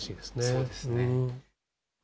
そうですね。